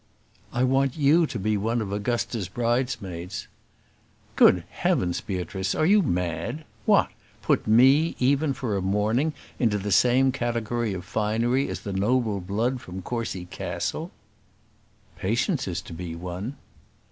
"I want you to be one of Augusta's bridesmaids." "Good heavens, Beatrice! Are you mad? What! Put me, even for a morning, into the same category of finery as the noble blood from Courcy Castle!" "Patience is to be one."